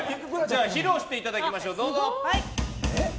披露していただきましょう。